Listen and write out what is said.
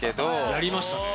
やりましたね。